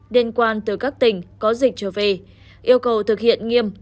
liên quan từ các tỉnh có dịch trở về yêu cầu thực hiện nghiêm